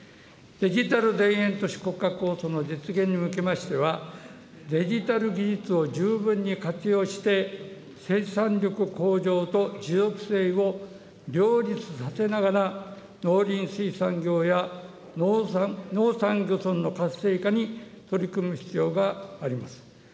デジタル田園都市国家構想の実現に向けましては、デジタル技術を十分に活用して生産力向上と持続性を両立させながら、農林水産業や農山漁村の活性化に取り組む必要があります。